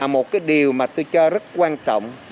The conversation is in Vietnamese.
một điều mà tôi cho rất quan trọng